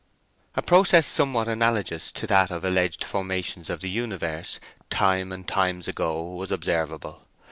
A process somewhat analogous to that of alleged formations of the universe, time and times ago, was observable.